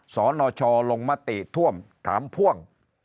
สนชลงมติท่วมถามพ่วง